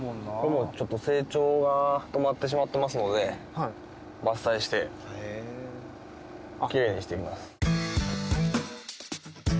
ちょっと成長が止まってしまってますので伐採してきれいにしていきます。